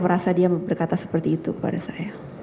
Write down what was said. merasa dia berkata seperti itu kepada saya